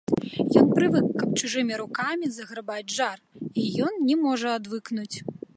Ён прывык, каб чужымі рукамі заграбаць жар, і ён не можа адвыкнуць.